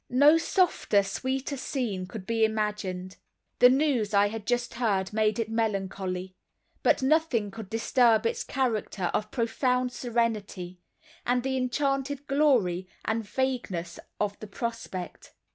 No softer, sweeter scene could be imagined. The news I had just heard made it melancholy; but nothing could disturb its character of profound serenity, and the enchanted glory and vagueness of the prospect.